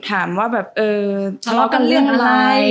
ถามว่าแบบเออทะเลาะกันเรื่องอะไร